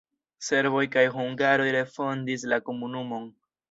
Serboj kaj hungaroj refondis la komunumon.